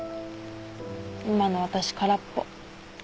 今の私空っぽ。